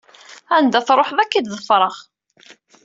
Anda truḥeḍ ad k-id-ḍefreɣ.